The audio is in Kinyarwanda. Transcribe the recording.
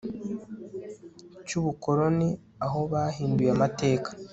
cy ubukoloni aho bahinduye amateka